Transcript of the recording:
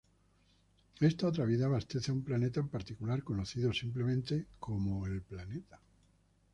Esta otra vida abastece a un planeta en particular, conocido simplemente como el Planeta.